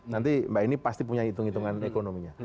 nanti mbak ini pasti punya hitung hitungan ekonominya